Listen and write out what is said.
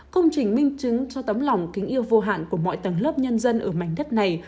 công trình minh chứng cho tấm lòng kính yêu vô hạn của mọi tầng lớp nhân dân ở mảnh đất này